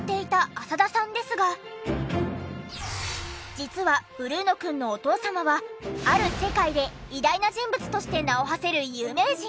実はブルーノくんのお父様はある世界で偉大な人物として名をはせる有名人。